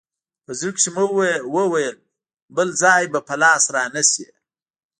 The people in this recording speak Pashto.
په زړه کښې مې وويل بل ځاى به په لاس را نه سې.